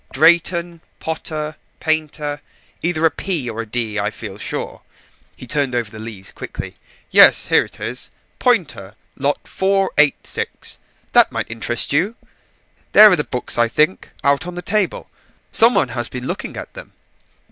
Drayton? Potter? Painter either a P or a D, I feel sure." He turned over the leaves quickly. "Yes, here it is. Poynter. Lot 486. That might interest you. There are the books, I think: out on the table. Some one has been looking at them.